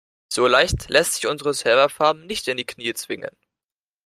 So leicht lässt sich unsere Serverfarm nicht in die Knie zwingen.